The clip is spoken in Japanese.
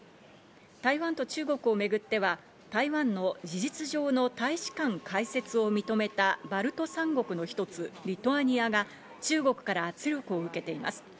台湾と中国をめぐっては台湾の事実上の大使館開設を認めたバルト３国の一つ、リトアニアが中国から圧力を受けています。